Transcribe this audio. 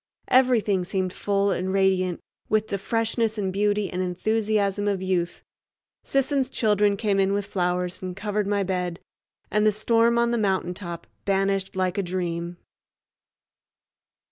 Everything seemed full and radiant with the freshness and beauty and enthusiasm of youth. Sisson's children came in with flowers and covered my bed, and the storm on the mountaintop banished like a dream.